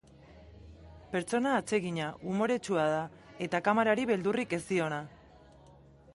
Pertsona atsegina, umoretsua da, eta kamarari beldurrik ez diona.